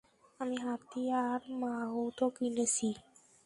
আমি হাতি আর মাহুতও কিনেছি।